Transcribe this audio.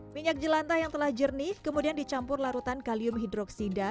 minyak jelantah yang telah jernih kemudian dicampur larutan kalium hidroksida